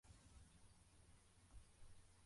Isinzi riteraniye ahantu hanini ho hanze